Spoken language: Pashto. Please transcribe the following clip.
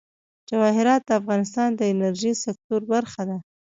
جواهرات د افغانستان د انرژۍ سکتور برخه ده.